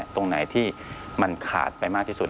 ตรงไหนที่มันขาดไปมากที่สุด